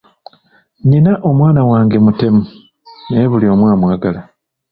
Nnina omwana wange mutemu, naye buli omu amwagala.